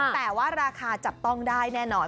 แต่ว่าราคาจับต้องได้แน่นอน